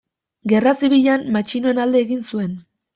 Gerra Zibilean matxinoen alde egin zuen.